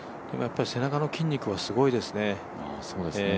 背中の筋肉はすごいですね。